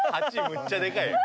むっちゃでかいよ。